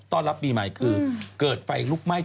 รับปีใหม่คือเกิดไฟลุกไหม้